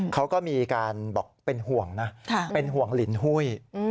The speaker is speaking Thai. เขาก็มีการบอกเป็นห่วงนะเป็นห่วงลินหุ้ย